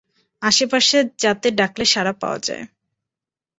আশেপাশে, যাতে ডাকলে সাড়া পাওয়া যায়।